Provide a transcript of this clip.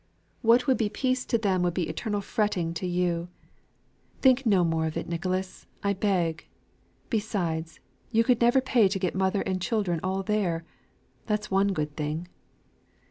What would be peace to them, would be eternal fretting to you. Think no more of it, Nicholas, I beg. Besides, you could never pay to get mother and children all there that's one good thing."